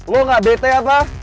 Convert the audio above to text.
lo gak bete apa